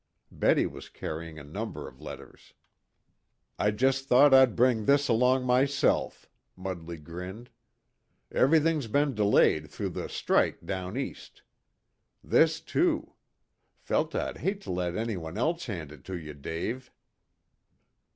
Betty was carrying a number of letters. "I just thought I'd bring this along myself," Mudley grinned. "Everything's been delayed through the strike down east. This, too. Felt I'd hate to let any one else hand it to you, Dave."